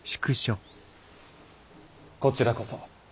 こちらこそ。